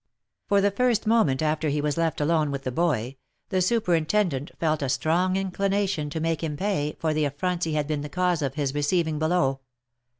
For the first moment after he was left alone with the boy, the superintendent felt a strong inclination to make him pay for the affronts he had been the cause of his receiving below.